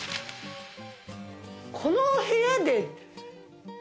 この部屋で。